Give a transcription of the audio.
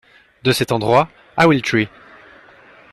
De cet endroit à Will-Tree